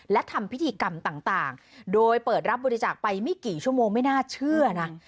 และทำพิธีกรรมต่างโดยเปิดรับบริจาคไปไม่กี่ชั่วโมงไม่น่าเชื่อนะ